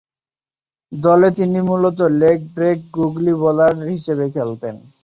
দলে তিনি মূলতঃ লেগ ব্রেক গুগলি বোলার হিসেবে খেলতেন।